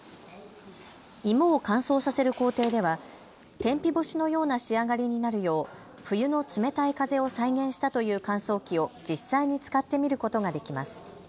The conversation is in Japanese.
芋を乾燥させる工程では天日干しのような仕上がりになるよう冬の冷たい風を再現したという乾燥機を実際に使ってみることができます。